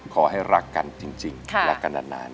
ขอให้รักกันจริงรักกันนาน